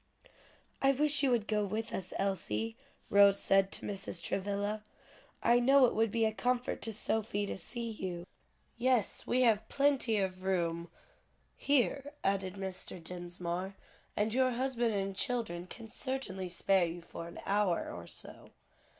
"I wish you would go with us, Elsie," Rose said to Mrs. Travilla. "I know it would be a comfort to Sophie to see you." "Yes, we have plenty of room here," added Mr. Dinsmore, "and your husband and children can certainly spare you for an hour or so."